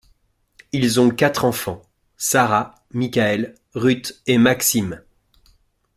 Ils ont quatre enfants, Sarah, Michael, Ruth et Maxim.